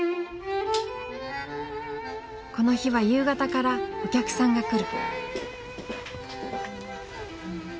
この日は夕方からお客さんが来る。